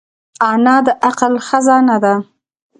انا د عقل خزانه ده